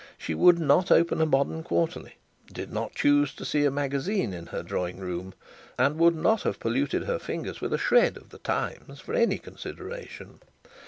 She would not open a modern quarterly, did not choose to see a magazine in her drawing room, and would not have polluted her fingers with a shred of "The Times" for any consideration.